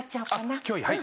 はい。